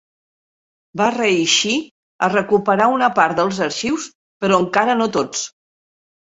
Va reeixir a recuperar una part dels arxius, però encara no tots.